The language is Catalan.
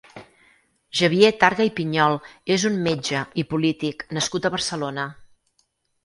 Xavier Targa i Piñol és un metge i polític nascut a Barcelona.